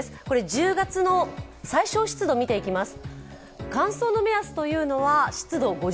１０月の最小湿度を見ていきます。